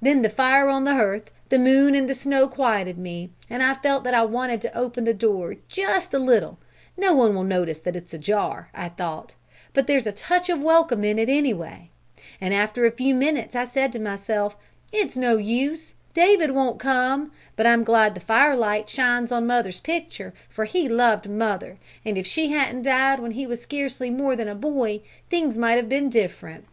Then the fire on the hearth, the moon and the snow quieted me, and I felt that I wanted to open the door, just a little. No one will notice that it's ajar, I thought, but there's a touch of welcome in it, anyway. And after a few minutes I said to myself: 'It's no use, David won't come; but I'm glad the firelight shines on mother's picture, for he loved mother, and if she hadn't died when he was scarcely more than a boy, things might have been different....